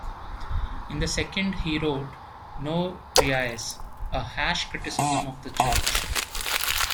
In the second he wrote "No Riais," a hash criticism of the church.